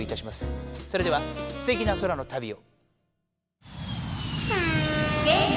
それではすてきな空のたびを。